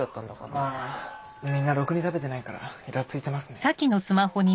まぁみんなろくに食べてないからイラついてますね。